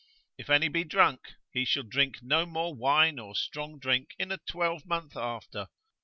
If any be drunk, he shall drink no more wine or strong drink in a twelvemonth after.